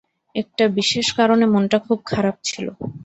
একটা বিশেষ কারণে মনটা খুব খারাপ ছিল।